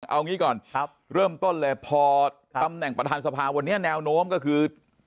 เอางี้ก่อนเริ่มต้นเลยพอตำแหน่งประธานสภาวันนี้แนวโน้มก็คือ